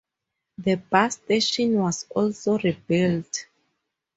The bus station was also rebuilt.